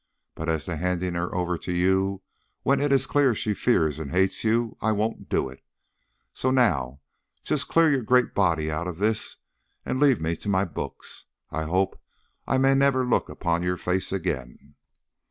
But as to handing her over to you, when it is clear she fears and hates you, I won't do it. So now just clear your great body out of this, and leave me to my books. I hope I may never look upon your face again."